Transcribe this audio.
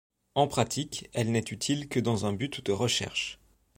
En pratique, elle n'est utile que dans un but de recherche.